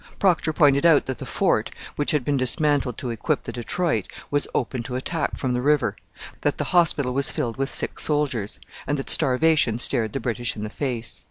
Procter pointed out that the fort, which had been dismantled to equip the Detroit, was open to attack from the river; that the hospital was filled with sick soldiers; and that starvation stared the British in the face.